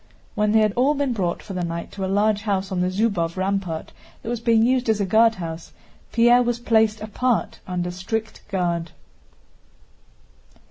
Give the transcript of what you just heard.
When they had all been brought for the night to a large house on the Zúbov Rampart that was being used as a guardhouse, Pierre was placed apart under strict guard.